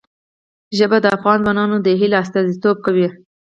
ژبې د افغان ځوانانو د هیلو استازیتوب کوي.